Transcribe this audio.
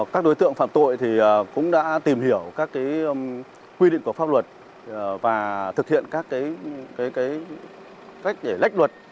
các đối tượng phạm tội cũng đã tìm hiểu các quy định của pháp luật và thực hiện các cách để lách luật